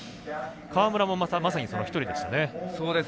川村も、まさにその１人でしたね。